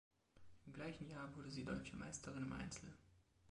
Im gleichen Jahr wurde sie Deutsche Meisterin im Einzel.